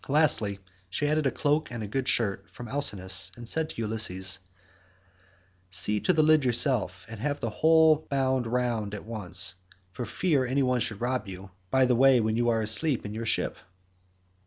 Lastly she added a cloak and a good shirt from Alcinous, and said to Ulysses: "See to the lid yourself, and have the whole bound round at once, for fear any one should rob you by the way when you are asleep in your ship."